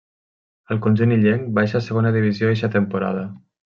Al conjunt illenc baixa a Segona Divisió eixa temporada.